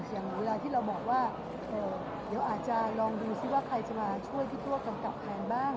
อย่างเวลาที่เราบอกว่าเดี๋ยวอาจจะลองดูซิว่าใครจะมาช่วยพี่ตัวกำกับแทนบ้าง